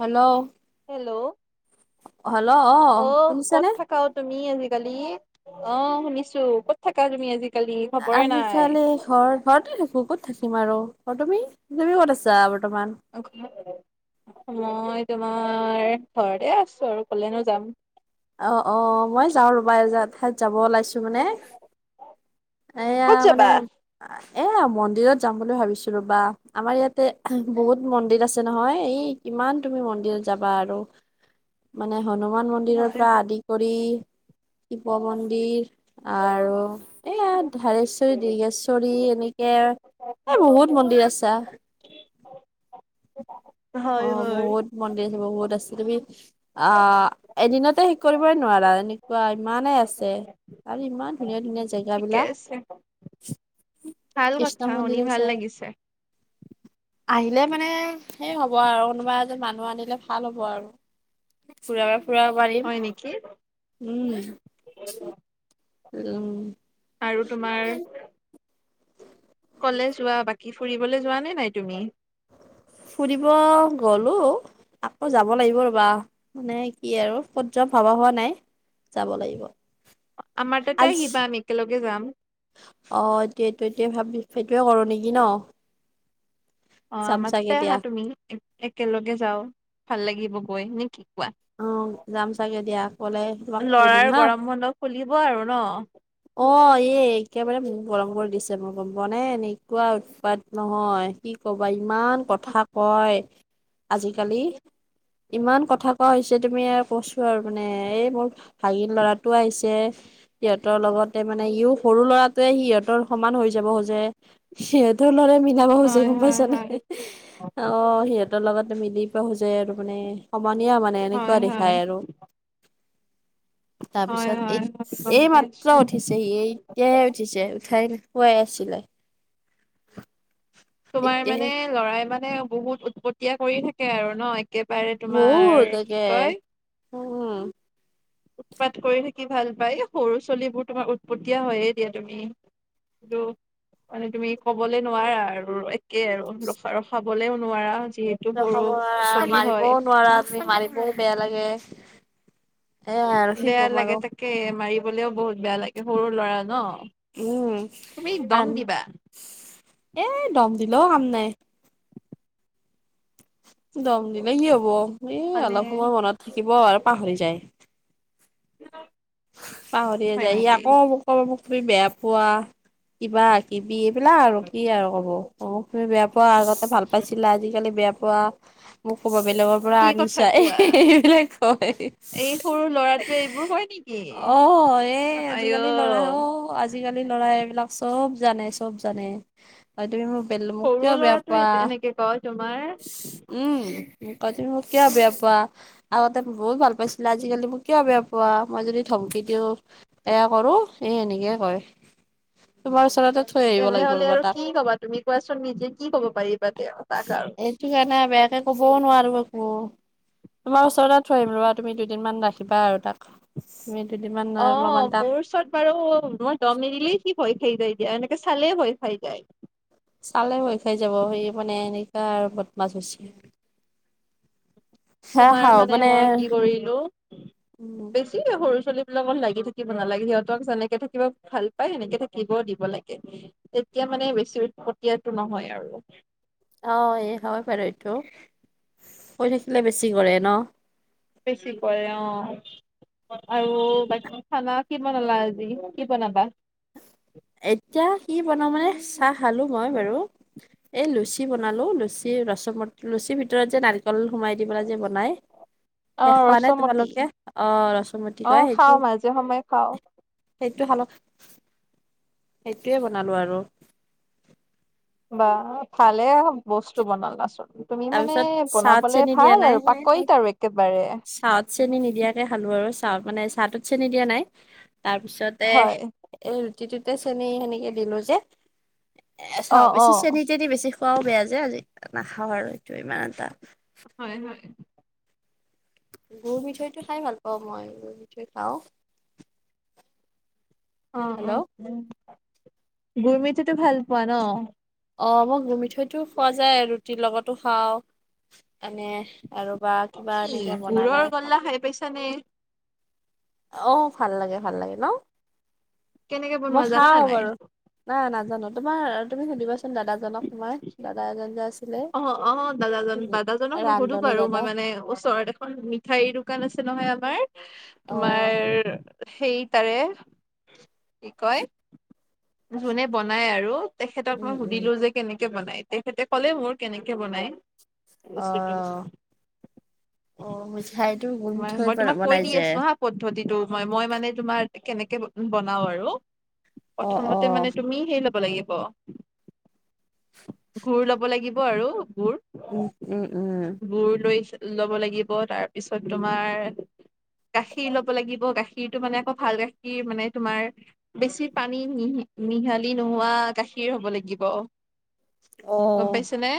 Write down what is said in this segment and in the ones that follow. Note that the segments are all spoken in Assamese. হেল্ল'! হেল্ল'! অ কত শুনিছানে? থা কা অ তুমি আজিকালি? অ শুনিছো। কত থাকা তুমি আজিালি? আজিকালি ঘৰ, ঘৰতে থাকো। থাকিম আৰু, অ', তুমি, তুমি ক'ত আছা বৰ্তমান। [inaudible] মই তোমাৰ, ঘৰতে আছো আৰু ক'লেনো যাম। অ', অ', মই যাওঁ ৰবা এজা, এঠাইত যাব ওলাইছো মানে। এয়া ক'ত মানে যাবা এ মন্দিৰত যাম বুলি ভাবিছিলো, বা আমাৰ ইয়াতে, বহুত মন্দিৰ আছে নহয় এই ইমান তুমি মন্দিৰত যাবা আৰু, মানে হনুমান মন্দিৰৰ হয় পৰা আদি কৰি, শিৱ মন্দিৰ আৰু এয়া ধাৰেশ্বৰী, দিৰ্গেশ্বৰী, এনেকে বহুত মন্দিৰ আছে। হয় অ', হয় বহুত মন্দিৰ আছে বহুত আছে তুমি আ এদিনতে শেষ কৰিবই নোৱাৰা, এনেকুৱা ইমানেই আছে। আৰু ইমান ধুনীয়া-ধুনীয়া, ঠিকে জেগাবিলাক। আছে ভাল কৃষ্ণ কথা, শুনি মন্দিৰ ভাল আছে লাগিছে। আহিলে মানে সেই হ ব আৰু কোনোবা এ যে মানুহ আনিলে ভাল হ'ব আৰু চোৰাব ফুৰাব পাৰিম। [unintelligible] উম, [inaudible] আৰু তোমাৰ কলে যোৱা বাকী ফুৰিবলৈ, যোৱা নে নাই তুমি। ফুৰিব, গ'লোঁ। আকৌ যাব লাগিব ৰ'বা, নে কি আৰু, কত যাওঁ ভাবা হোৱা নাই। যাব লাগিব। আমাৰ তাতে আজি আহিবা, আমি একেলগে যাম। অ', এইটোৱে [unintelligible] ভাবি, সেইটোৱে কৰো নেকি ন'। যাম আ-আমাৰ চাগে ততে দিয়া আহা তুমি, এ একেলগে যাও, ভাল লাগিব গৈ, নে কি কোৱা, অ', যাম চাগে দিয়া গ'লে তোমাক কৈ দিম লৰাৰ হা। গৰম বন্ধ, খুলিব আৰু ন'। অ', এ একেবাৰে মোৰ গৰম কৰি দিছে, মোৰ গম পোৱা নে, এনেকুৱা উৎপাত নহয়। কি কবা, ইমান কথা কয়, আজিকালি ইমান কথা কোৱা হৈছে তুমি, আৰু কৈছো আৰু মানে, এই মোৰ ভাগিন ল'ৰাটো আহিছে। সিহঁতৰ লগতে মানে, ইও সৰু ল'ৰাটোৱে, সিহঁতৰ সমান হৈ যাব খোজে। সিহঁতৰ লৰাই মীনাব যে, হয় গম হয় পাইছানে। হয় [inaudible] অ', সিহঁতৰ লগতে মিলিপ হোজে আৰু মানে, সমনীয়া মানে, এনেকুৱা হয় দেখাই হয় আৰু। তাৰ হয় পিছত, হয় হয় গম এই-এই পাইছো। মাত্ৰ উঠিছ ছে এইতিয়াই উঠিছে, উঠাই নাই, শুৱাই আছিলে। তোমাৰ মানে, এতিয়াহে লৰাই মানে বহুত, উটপটীয়া কৰি থাকে আৰু ন এ কেবাৰে বহুত তোমাৰ, কি তাকে কয় [unintelligible] উৎপাত কৰি থাকি ভাল পায় সৰু চলিবোৰ, তোমাৰ উৎপতীয়া হয়'য়ে দিয়া তুমি। দো' মানে তুমি, ক'বলে নোৱাৰা আৰু, একে আৰু ৰখা-ৰখাবলেও নোৱাৰা, যি ৰখাব [inaudible] মাৰিবও নোৱাৰা তুমি, মাৰিবও বেয়া লাগে। এ আৰু কি বেয়া কম আৰু লাগে তাকে, মাৰিবলেও বহুত বেয়া লাগে, সৰু ল'ৰা ন'। উম, তুমি দম তান, দিবা এ দম দিলেও কাম নাই। দম দিলে কি হ'ব, এ মানে অলপ সময় মনত থাকিব আৰু পাহৰি যায়। [unintelligible] পাহৰিয়ে হয় যাই, সী নেকি? আকৌ কব, মোক তুমি বেয়া পোৱা, কিবা কিবি, এইবিলাক আৰু কি আৰু ক'ব। কব তুমি বেয়া পোৱা, আগতে ভাল পাইছিলা, আজিকালি বেয়া পোৱা। মোক ক'ব বেলেগৰ পৰা কি কথা আনিছা, কোৱা? এইবিলাক কয়। এই সৰু ল'ৰাটোৱে এইবোৰ হয় নেকি? অ', এ আইঅ আজিকালি ল'ৰা অ', আজি আজিকালি ল'ৰাই, এইবিলাক চব জানে, চব জানে। হয়, তুমি মোক ব মোক সৰু কিয় বেয়া ল'ৰাটোৱে পোৱা? এইটো- এনেকে কয় তোমাৰ? উম। মোক কয় তুমি মোক কিয় বেয়া পোৱা, আগতে বহুত ভাল পাইছিলা আজিকালি মোক কিয় বেয়া পোৱা। মই যদি ধমকি দিওঁ এয়া কৰোঁ, এই সেনেকে কয় তোমাৰ ওচৰতে থৈ আহিব লাগিব তেনেহ'লে ৰ'বা আৰু তাক। কি ক'বা তুমি কোৱাচোন, নিজে কি ক'ব পাৰিবা তেওঁ তাক আৰু। ঠিক সেনা বেয়াকে ক'বও নোৱাৰো একো। তোমাৰ ওচৰত থৈ আহিম ৰ'বা তুমি দুদিনমান ৰাখিবা আৰু তাক। তুমি দুদিনমান অলপমান অ', তাক মোৰ ওচৰত বাৰু মই দম নিদিলেই সি ভয় খাই যায় দিয়া এনেকে চালে ভয় খাই যায়। চালে ভয় খাই যাব সি মানে এনেকা আৰু বদমাছ হৈছে। হা তোমাৰ হাও মানে মই কি কৰিলোঁ। উম। বেছি সৰু ছোৱালী বিলাকত লাগি থাকিব নালাগে, সিহঁতক যেনেকে থাকিব ভাল পায় সেনেকে থাকিব দিব লাগে। তেতিয়া মানে, বেছি উৎপতিয়াটো নহয় আৰু। অ', এই হয় বাৰু এইটো। কই থাকিলে, বেছি কৰে ন'? বেছি কৰে অ'। আৰু বাকী খানা কি বনালা আজি কি বনাবা? এতিয়া কি বনাওঁ মানে চাহ খালোঁ মই বাৰু। এই লুচি বনালোঁ, লুচি ৰচ মট লুচিৰ ভিতৰত যে নাৰিকল সোমাই দি পেলাই যে বনায়। অ সে খোৱা নাই ৰচমতি তোমালোকে অ', ৰচমতি অ কয় খাও সেইটো। মাজে সময়ে খাও। সেইটো খালোঁ। সেইটোয়ে বনালো আৰু। বা ভালে বস্তু বনালাচোন। তুমি মানে তাৰপিছত চাহত বনাবলে চেনি দিয়া ভাল আৰু নাই পাকৈত আৰু একেবাৰে। চাহত চেনি নিদিয়াকে খালোঁ আৰু চাহ মানে চাহটোত চেনি দিয়া নাই, তাৰপিছতে হয় এই ৰুটিটোতে চেনি সেনেকে দিলোঁ যে, এ অ চাও অ। বেছি চেনি চেনি বেছি খোৱাও বেয়া যে, আজি নাখাওঁ আৰু এইটো ইমান এটা। হয়, হয়। গুৰ মিঠৈ টো খাই ভাল পাওঁ মই গুৰ মিঠৈ খাওঁ। অ', হেল্ল' অ', গুৰ মিঠৈটো ভাল পোৱা ন'? অ', মই গুৰ মিঠৈটোও খোৱা যায় ৰুটিৰ লগতো খাওঁ, এনে আৰু বা কিবা কি এনেকে গুৰৰ বনালে গল্লা খাওঁ। খাই পাইছা নে? অ', ভাল লাগে ভাল লাগে ন' কেনেকে মই বনোৱা জানা নে খাওঁ নাই? বাৰু। নাই নাজানো তোমাৰ তুমি সুধিবাচোন দাদাজনক তোমাৰ, দাদা এজন যে আছিলে। অ', অ', দাদাজন দাদাজনক নুসুধো ৰান্ধনী বাৰু দাদা মই মানে ওচৰত এখন মিঠাইৰ দোকান আছে নহয় আমাৰ, অ তোমাৰ সেই তাৰে কি কয় যোনে বনায় আৰু। তেখেতক উম মই উম সুধিলোঁ যে কেনেকে বনাই, তেখেতে ক'লে মোক কেনেকে বনাই। বস্তুটো অ', অ', মিঠাইটো গুৰ তোমাৰ মই মিঠৈত তোমাক কৈ দি বনাই যে! আছো হা পদ্ধতিটো মই মই মানে তোমাৰ কেনেকে বনাওঁ আৰু। অ অ প্ৰথমতে মানে তুমি সেই ল'ব লাগিব। গুৰ ল'ব লাগিব আৰু গুৰ উম, উম, উম। গুৰ লৈ-ল'ব লাগিব, তাৰপিছত তোমাৰ গাখীৰ ল'ব লাগিব, গাখীৰটো মানে আকৌ ভাল গাখীৰ মানে তোমাৰ বেছি পানী মিহ-মিহালি নোহোৱা গাখীৰ হ'ব লাগিব। অ গম পাইছ' নে?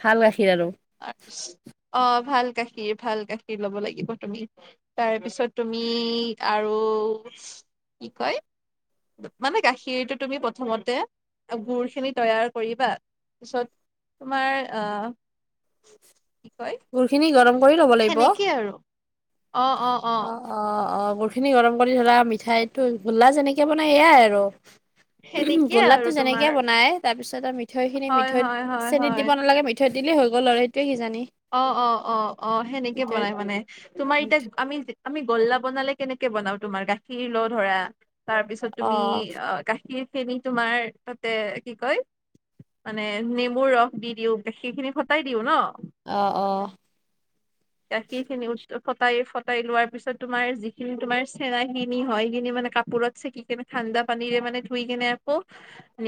ভাল গাখীৰ আৰু [unintelligible] অ' ভাল গাখীৰ, ভাল গাখীৰ। খিৰ ল'ব লাগিব তুমি। তাৰ পিছত তুমি আৰু কি কয়! মানে গাখীৰটো তুমি প্ৰথমতে, গুৰ খিনি তৈয়াৰ কৰিবা। পিছত তোমাৰ, আহ কি কয়? গুৰখিনি গৰম কৰি ল'ব লাগিব? সেনেকেই আৰু অ', অ', অ'। অ' অ', গুৰখিনি গৰম কৰি ধৰা মিঠাইটো, গোল্লা যেনেকে বনাই এয়াই আৰু। সেনেকেই গোল্লাটো আৰু তোমাৰ যেনেকে বনাই, তাৰপিছত আৰু মিঠৈ খিনি হয় মিঠৈত, হয় হয় চেনীত হয় দিব নালাগে মিঠ মিঠৈত দিলে হৈ গ'ল আৰু হেইটোৱে কিজানি। অ' অ' অ' অ', সেনেকে মিঠৈ বনাই মানে। তোমাৰ এতিয়া আমি-আমি গোল্লা বনালে কেনেকে বনাও তোমাৰ, গাখীৰ লওঁ ধৰা। তাৰ পিছত তুমি, অ'। আহ-গাখীৰখিনি তোমাৰ তাতে কি কয়? মানে নেমুৰ ৰস দি দিওঁ, গাখীৰখিনি ফটাই দিওঁ ন'? অ', অ'। গাখীৰ খিনি উত-উত ফটাই- ফটাই লোৱাৰ পিছত তোমাৰ যিখিনি তোমাৰ চেৰাইখিনি হয়, সিখিনি মানে কাপ ওপৰত চেকি কেনে থাণ্ডা পানীৰে মান ধুই কেনে আকৌ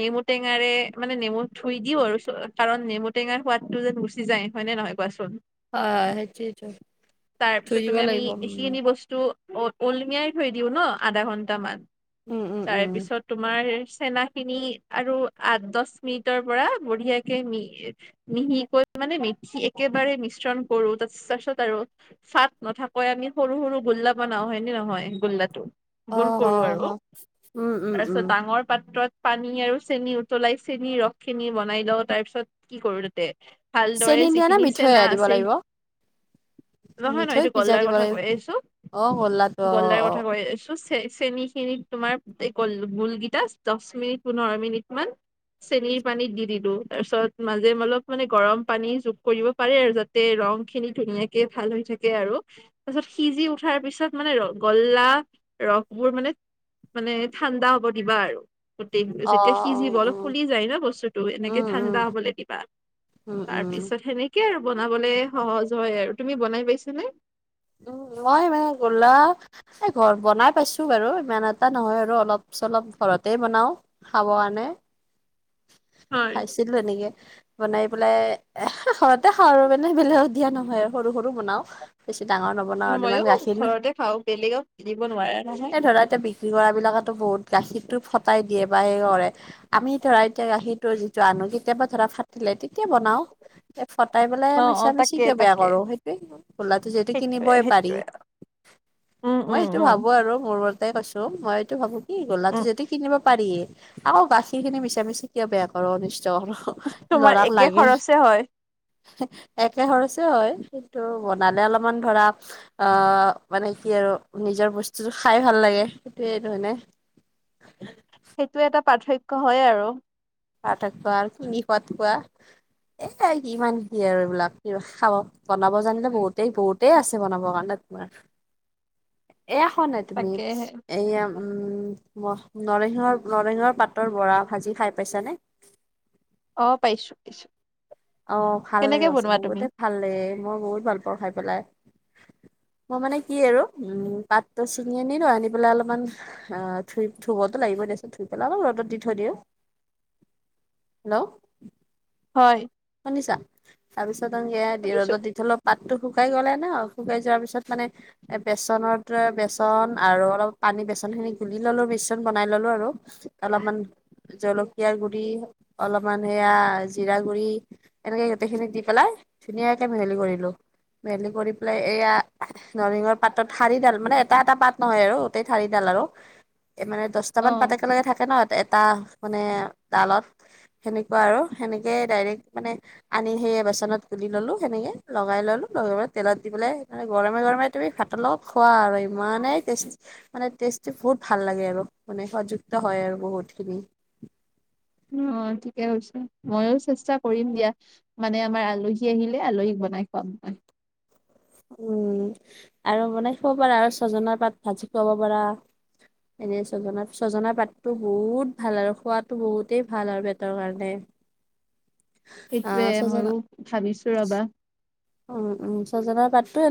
নেমু টেঙাৰে মানে, নেমু ধুই দিওঁ আৰু চ-কাৰণ নেমু টেঙাৰ সোৱাদটো যেন গুচি যায় হয় নে নহয়? কোৱাচোন। হয়, সেইটোৱেতো ধুই তাৰপিছত দিব তুমি আমি লাগিব উম। ইখিনি বস্তু অ', উলমিয়াই থৈ দিওঁ ন'? আধা ঘণ্টামান। উম, উম। তাৰ উম, পিছত তোমাৰ চেনাখিনি আৰু আঠ দছ মিনিটৰ পৰা বঢ়িয়াকে নি মিহিকৈ মানে মিহি একেবাৰে মিশ্ৰণ কৰোঁ, [unintelligible] তাৰপিছত আৰু চাট নাথাকৈ আমি সৰু সৰু গোল্লা বনাওঁ। হয় নে নহয় গোল্লাটো? গোল অ', হ, কৰো হ, আৰু। উম, উম, উম। তাৰপিছত ডাঙৰ পাত্ৰত পানী আৰু চেনি উতলাই চেনি ৰসখিনি বনাই লওঁ, তাৰ পিছত কি কৰোঁ তাতে? ভালদৰে চেনি দিয়া নে যিখিনি মিঠৈ চেনা দিব আছে, লাগিব? নহয় নহয়, মিঠৈত এইটো ভিজাই গল্লাৰ দিব কথা লাগিব কৈ আছোঁ। অ', গোল্লাটো অ', গল্লাৰ অ'। কথা কৈ আছোঁ। চে-চেনীখিনিত তোমাৰ এই গল-গোলগিটা দছ মিনিট, পোন্ধৰ মিনিট মান চেনীৰ পানীত দি দিলোঁ। তাৰ পিছত মাজে অলপ মানে গৰম পানী যু কৰিব পাৰে আৰু যাতে ৰং খিনি ধুনীয়াকে ভাল হৈ থাকে আৰু তাৰপিছত সিজি উঠাৰ পিছত মানে ৰ-গল্লা ৰসবোৰ মানে মানে ঠাণ্ডা হ'ব দিবা আৰু। গোটেই, অ', যেতিয়া সিজিব অ', অলপ অ', ফুলি যায় ন বস্তুটো। টো এনেকে উম, উম, ঠাণ্ডা হ'বলে দিবা। উম, তাৰ উম, পিছত তাৰত সেনেকে আৰু বনাবলে সহজ হয় আৰু। তুমি বনাই পাইছ নে? নাই নাই, গোল্লা এই ঘৰত বনাই পাইছোঁ বাৰু, ইমান এটা নহয় আৰু। অলপ চলপ ঘৰতে বনাও। খাব আনে। হয় খাইছিলো এনেকে বনাই পেলাই এ হে ঘৰতে খাওঁ মানে বেলেগক দিয়া নহয় আৰু সৰু সৰু বনাও বেছি ডাঙৰ নহয় মইয়ো ঘৰতে খাওঁ বেলেগক দিব নোৱাৰা নহয় [unintelligible] লৰা বিলাকেতো বহুত গাখীৰটো ফটাই দিয়ে বা সেই কৰে আমি ধৰা এতিয়া গাখীৰটোৰ যিটো আনো কেতিয়াবা ধৰা ফাটিলে তেতিয়া বনাও এ ফটাই পেলাই অ অ মিছা মিছি তাকে কিয় বেয়া তাকে কৰো সেইটোৱে খোলাটো যিহেতু সেইটোৱে কিনিবই পাৰি সেইটোৱে উম মই উম সেইটো উম ভাবো আৰু মোৰ কৈছো মই এইতো ভাবো কি গলাটো উম যদি কিনিব পাৰিয়ে আকৌ গাখীৰ খিনি মিচা মিচি কিয় বেয়া কৰো অনিষ্ট কৰো তোমাৰ লৰাক একে লাগে খৰচে হয় একে খৰচে হয় কিন্তু বনালে অলপমান ধৰা অ' মানে কি আৰু নিজৰ বস্তুটো খাই ভাল লাগে সেইটোৱে নহয় নে সেইটো এটা পাৰ্থক্য হয় আৰু পাথক্য আৰু কি খোৱাত কোৱা এ ইমান কি আৰু এইবিলাক খাব বনাব জানিলে বহুতেই বহুতেই আছে বনাব কাৰণে তোমাৰ এয়া খোৱা নাই তুমি তাকেহে এইয়া উম নৰসিংহৰ নৰসিংহৰ পাতৰ বৰা ভাজি খাই পাইছানে অ পাইছো পাইছো অ ভাল কেনেকে লাগে কৈছে বনোৱা মোৰ তুমি গোটেই ভাল লাগে মই বহুত ভাল পাওঁ খাই পেলাই মই মানে কি আৰু উম পাতটো ছিঙি আনিলো আনি পেলাই অলপমান অ ধুই ধুবতো লাগিব দে চোন ধুই পেলাই ৰ'দত দি থৈ দিও হেল্ল' হয় শুনিছা তাৰপিছত আৰু সেইয়া শুনিছো ৰ'দত দি থলো পাতটো শুকাই গ'লে ন শুকাই যোৱাৰ পিছত মানে এ বেচনত বেচন আৰু অলপ পানী বেচন খিনি গুলি ললো মিশ্ৰণ বনাই ললো আৰু অলপমান জলকীয়া গুৰি অলপমান সেয়া জিৰা গুৰি এনেকে গোটেইখিনি দি পেলাই ধুনীয়াকে মিহলি কৰিলো মিহেলি কৰি পেলাই এয়া নৰসিংহৰ পাতত ঠাৰিডাল মানে এটা এটা পাত নহয় আৰু গোটেই ঠাৰিডাল আৰু এই মানে দুটা অ মান পাত একেলগে থাকে ন তাত এটা মানে ডালত সেনেকুৱা আৰু সেনেকেই ডাইৰেক্ট মানে আনি সেই বেচনত গুলি ললো সেনেকে লগাই ললো লগাই পেলাই তেলত দি পেলাই গৰমে গৰমে তুমি ভাতৰ লগত খোৱা আৰু ইমানেই টেষ্টি মানে টেষ্ট বহুত ভাল লাগে আৰু মানে সুবাদ যুক্ত হয় আৰু বহুত খিনি অ ঠিকে কৈছা ময়ো চেষ্টা কৰিম দিয়া মানে আমাৰ আলহী আহিলে আলহীক বনাই খোৱাম মই উম আৰু বনাই খাব পাৰা আৰু ছজনাৰ পাত ভাজি খুৱাব পাৰা এনেই ছজনা ছজনা পাতটো বহুত ভাল আৰু খোৱাতো বহুতেই ভাল আৰু পেটৰ কাৰণে [unintelligible] অ সেইটোয়ে ছজনা ময়ো ভাবিছো ৰবা উম উম ছজনা পাতটো